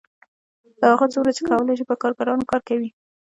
هغه څومره چې کولی شي په کارګرانو کار کوي